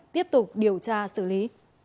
tiếp tục điều tra xử lý